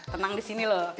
tenang di sini loh